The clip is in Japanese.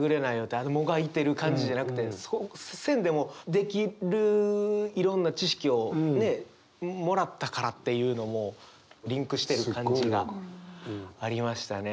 あのもがいてる感じじゃなくてそうせんでもできるいろんな知識をねもらったからっていうのもリンクしてる感じがありましたね。